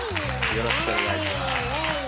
よろしくお願いします。